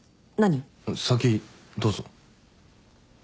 先どうぞ。